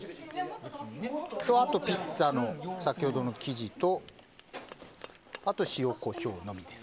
あとはピッツァの先ほどの生地とあと塩、コショウのみです。